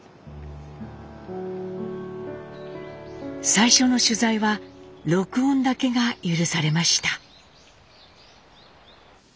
最初の取材は録音だけが許されました。